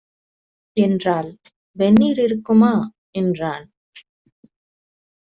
என்றாள். "வெந்நீர் இருக்குமா" என்றான்.